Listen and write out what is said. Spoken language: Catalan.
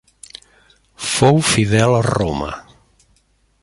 Fou fidel a Roma.